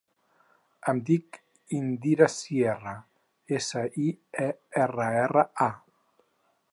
Em dic Indira Sierra: essa, i, e, erra, erra, a.